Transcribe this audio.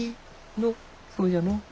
のうそうじゃのう。